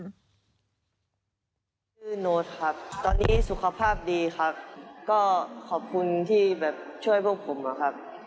โน้ตโน้ตครับตอนนี้สุขภาพดีครับก็ขอบคุณที่แบบช่วยพวกผมนะครับ